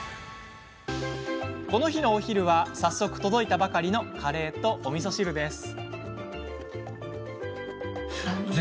この日のお昼は早速、届いたばかりのカレーとおみそ汁です。